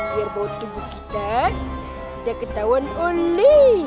kita pakai parfum biar bau tubuh kita tidak ketahuan oleh